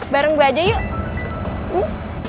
bareng gue aja yuk